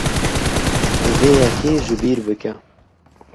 Vê yekê ji bîr bike.